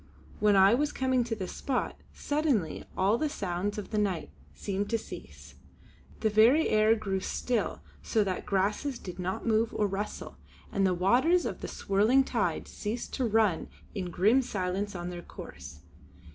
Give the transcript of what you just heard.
When I was come to this spot, suddenly all the sounds of the night seemed to cease. The very air grew still so that the grasses did not move or rustle, and the waters of the swirling tide ceased to run in grim silence on their course.